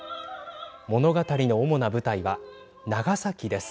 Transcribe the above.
物語の主な舞台は長崎です。